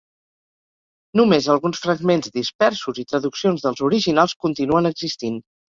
Només alguns fragments dispersos i traduccions dels originals continuen existint.